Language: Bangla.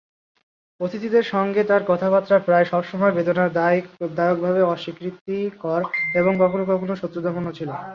অতিথিদের সঙ্গে তার কথাবার্তা প্রায় সবসময়ই বেদনাদায়কভাবে অস্বস্তিকর এবং কখনো কখনো শত্রুতাপূর্ণ ছিল।